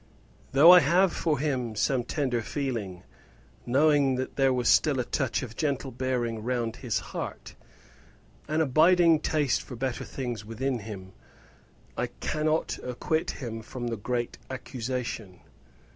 Though I have for him some tender feeling, knowing that there was still a touch of gentle bearing round his heart, an abiding taste for better things within him, I cannot acquit him from the great accusation.